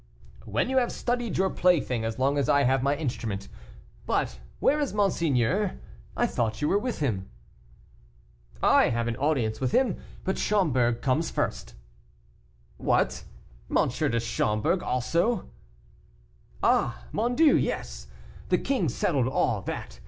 "When you have studied your plaything as long as I have my instrument. But where is monseigneur? I thought you were with him." "I have an audience with him, but Schomberg comes first." "What! M. de Schomberg, also!" "Oh! mon Dieu; yes. The king settled all that.